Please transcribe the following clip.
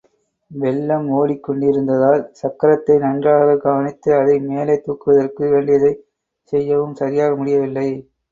வெள்ளம் ஓடிக்கொண்டிருந்ததால் சக்கரத்தை நன்றாகக் கவனித்து அதை மேலே தூக்குவதற்கு வேண்டியதைச் செய்யவும் சரியாக முடியவில்லை.